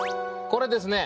これですね